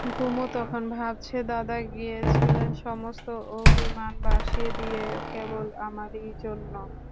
কুমু তখন ভাবছে– দাদা গিয়েছিলেন সমস্ত অভিমান ভাসিয়ে দিয়ে, কেবল আমারই জন্যে!